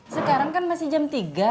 sekarang kan masih jam tiga